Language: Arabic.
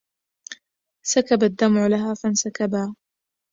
سكب الدمع لها فانسكبا